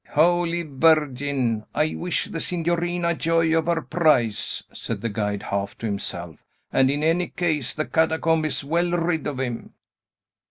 "Holy Virgin! I wish the signorina joy of her prize," said the guide, half to himself. "And in any case, the catacomb is well rid of him."